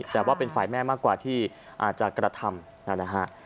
แต่ว่าเป็นฝ่ายแม่มากกว่าที่อาจจะกระทำนะฮะ